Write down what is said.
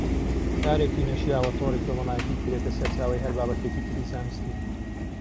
کارێکی نەشیاوە تۆڕی کۆمەڵایەتی بکرێتە سەرچاوەی هەر بابەتێکی تری زانستی